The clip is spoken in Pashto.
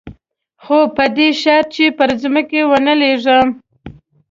خو په دې شرط چې پر ځمکه ونه لېږم.